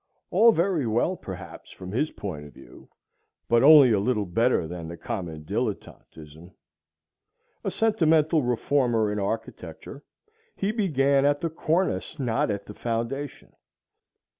All very well perhaps from his point of view, but only a little better than the common dilettantism. A sentimental reformer in architecture, he began at the cornice, not at the foundation.